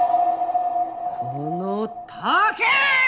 このたーけ！